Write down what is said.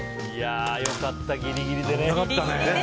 良かった、ギリギリで。